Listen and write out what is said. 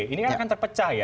ini kan akan terpecah ya